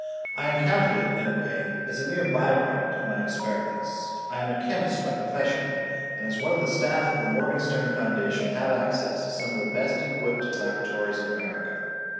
I encountered it, in a way, as a mere by product of my experiments; I am a chemist by profession, and as one of the staff of the Morganstern Foundation have access to some of the best equipped laboratories in America.